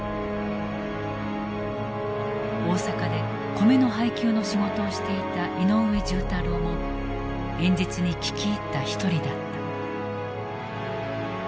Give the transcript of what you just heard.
大阪で米の配給の仕事をしていた井上重太郎も演説に聞き入った一人だった。